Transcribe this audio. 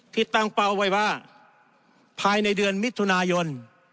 ที่ตั้งเป้าไว้ว่าภายในเดือนมิถุนายน